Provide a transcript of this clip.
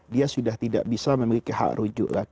dia sudah tidak bisa memiliki hak rujuk